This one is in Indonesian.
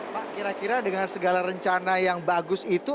pak kira kira dengan segala rencana yang bagus itu